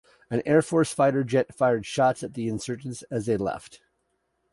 An Air Force fighter jet fired shots at the insurgents as they left.